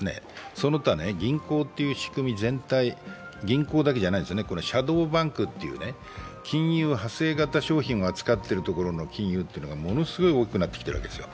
その他、銀行という仕組み全体、銀行だけじゃないですね、シャドーバンクという金融派生型商品を扱っているところがものすごい大きくなってきているわけですよ。